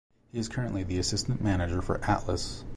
He is currently the assistant manager for Atlas.